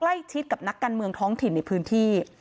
ใกล้ชิดกับนักการเมืองท้องถิ่นในพื้นที่